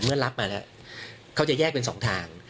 เมื่อรับมาเขาจะแยกเป็น๒ทาง